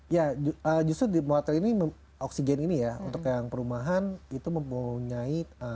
ya justru di motor ini oksigen ini ya untuk yang perumahan itu mempunyai